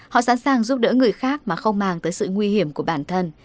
họ sẵn sàng giúp đỡ người khác mà không mang tới sự nguy hiểm của bản thân